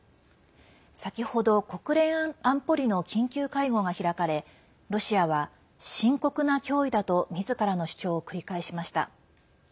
先ほど、国連安保理の緊急会合が開かれロシアは深刻な脅威だとみずからの主張を繰り返しました。